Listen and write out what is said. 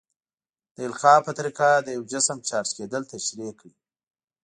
د القاء په طریقه د یو جسم چارج کیدل تشریح کړئ.